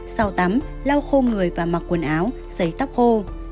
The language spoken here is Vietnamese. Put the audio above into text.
sau tắm lau khô người và mặc quần áo xấy tóc khô